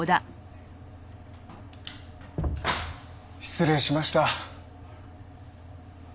失礼しました。